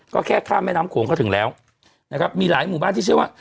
ก็แค่ข้ามแม่น้ำโขงก็ถึงแล้วนะครับมีหลายหมู่บ้านที่เชื่อว่า